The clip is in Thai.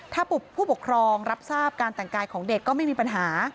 ถ้าผู้ปกครองรับทราบการแต่งกายของเด็กก็ไม่มีปัญหา